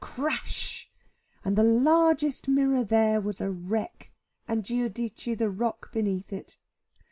Crash, and the largest mirror there was a wreck, and Giudice the rock beneath it.